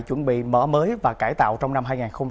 chuẩn bị mở mới và cải tạo trong năm hai nghìn hai mươi